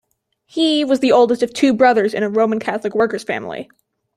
He was the oldest of two brothers in a Roman Catholic workers' family.